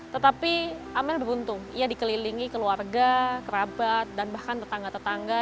tetapi amel beruntung ia dikelilingi keluarga kerabat dan bahkan tetangga tetangga